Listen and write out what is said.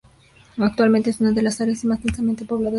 Actualmente es una de las áreas más densamente pobladas en el mundo.